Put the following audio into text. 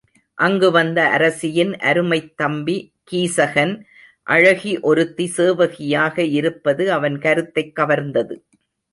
அங்கு வந்த அரசியின் அருமைத்தம்பி கீசகன் அழகி ஒருத்தி சேவகியாக இருப்பது அவன் கருத்தைக்கவர்ந்தது.